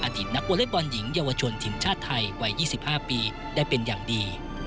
อดีตนักบริบอลหญิงเยาวชนถิ่นชาติไทยวัย๒๕ปีได้เป็นอย่างดี